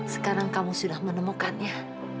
sekarang kamu sudah menemukannya